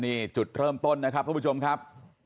นี่จุดเริ่มต้นนะครับทุกผู้ชมครับ